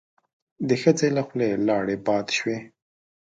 د ښځې له خولې لاړې باد شوې.